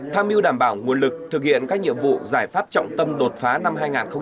tham mưu đảm bảo nguồn lực thực hiện các nhiệm vụ giải pháp trọng tâm đột phá năm hai nghìn hai mươi